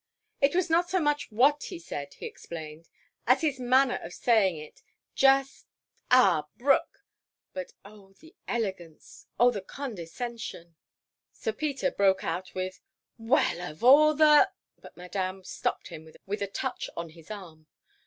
"It was not so much what he said," he explained, "as his manner of saying it. Just:—'Ah, Brooke!'—but oh! the elegance! Oh, the condescension!" Sir Peter broke out with, "Well, of all the—!" But Madame stopped him with a touch on his arm.